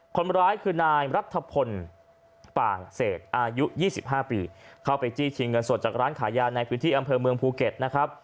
คนร้ายคือนายรัฐพลป่างเศษอายุ๒๕ปีเข้าไปจี้ชิงเงินสดจากร้านขายยาในพื้นที่อำเภอเมืองภูเก็ตนะครับ